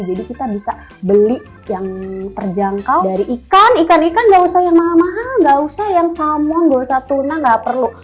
jadi kita bisa beli yang terjangkau dari ikan ikan ikan gak usah yang mahal mahal gak usah yang salmon gak usah tuna gak perlu